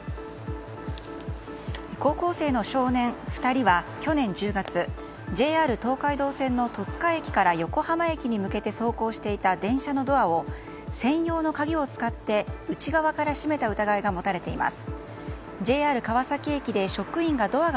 高校生の少年２人は去年１０月ＪＲ東海道線の戸塚駅から横浜駅に向けて走行していた電車のドアを専用の鍵を使って内側から閉めた疑いが持たれています。